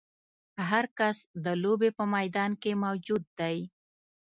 هر کس د لوبې په میدان کې موجود دی.